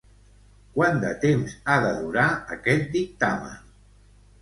Quants de temps ha de durar aquest dictamen?